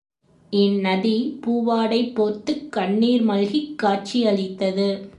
இந் நதி பூவாடை போர்த்துக் கண்ணிர் மல்கிக் காட்சி அளித்தது.